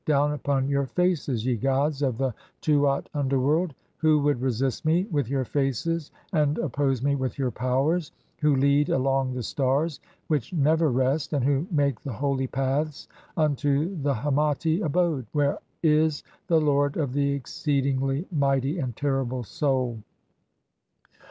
[Down] upon your faces, ye gods of the Tuat "(underworld), who would resist me with your faces and oppose "me with your powers, who lead along the stars which never "(38) rest, and who make the holy paths unto the Hemati abode "[where is] the Lord of the exceedingly mighty and terrible Soul.